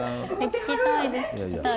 聞きたいです聞きたい。